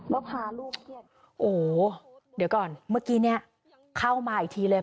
โหเดี๋ยวก่อนเมื่อกี้เนี้ยเข้ามาอีกทีเลย